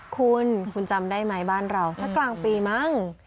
คุณคุณจำได้ไหมบ้านเราสักกลางปีมั้ง